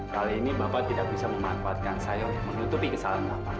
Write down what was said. kali ini bapak tidak bisa memanfaatkan saya untuk menutupi kesalahan bapak